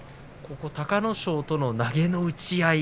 隆の勝との投げの打ち合い